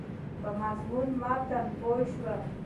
په مضمون متن پوه شوم.